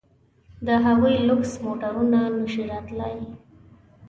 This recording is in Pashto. د هغوی لوکس موټرونه نه شي راتلای.